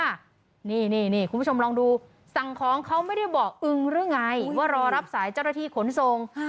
นี่คุณผู้ชมลองดูสั่งของเขาไม่ได้บอกอึงหรือไงว่ารอรับสายเจ้าหน้าที่ขนส่ง